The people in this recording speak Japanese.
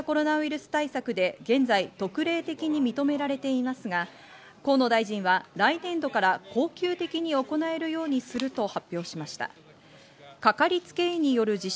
オンライン診療による初診については、新型コロナウイルス対策で現在、特例的に認められていますが、河野大臣は来年度から恒久的に行えるようにすると発表しました。